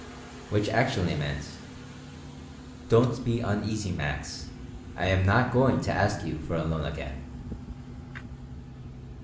Which actually meant: "Don't be uneasy, Max. I am not going to ask you for a loan again."